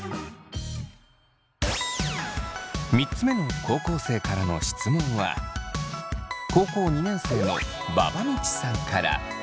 ３つ目の高校生からの質問は高校２年生のばばみちさんから。